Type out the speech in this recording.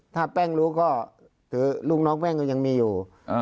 ถ้าแป้งรู้ก็ถือลูกน้องแป้งก็ยังมีอยู่